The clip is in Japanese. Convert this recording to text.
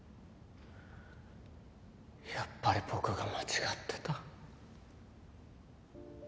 やっぱり僕が間違ってた。